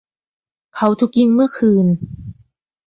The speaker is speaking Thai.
เขาถูกยิงเมื่อคืน